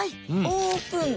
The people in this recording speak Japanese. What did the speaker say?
オープン！